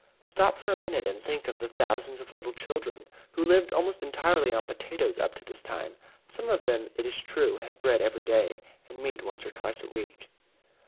Stop for a minute and think of the thousands of little children who lived almost entirely on potatoes up to this time. Some of them, it is true, had bread every day, and meat once or twice a week.